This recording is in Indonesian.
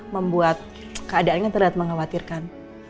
membuat keadaannya terlihat mengkhawatirkan